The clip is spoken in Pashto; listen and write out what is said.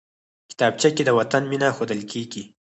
کتابچه کې د وطن مینه ښودل کېږي